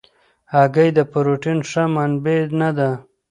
هګۍ د پروټین ښه منبع نه ده.